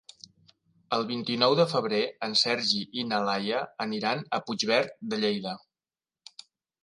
El vint-i-nou de febrer en Sergi i na Laia aniran a Puigverd de Lleida.